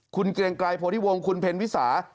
คุณแกรงกายโพรที่วงคุณเภนวิสาส์